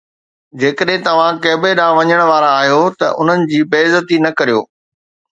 جيڪڏهن توهان ڪعبي ڏانهن وڃڻ وارا آهيو ته انهن جي بي عزتي نه ڪريو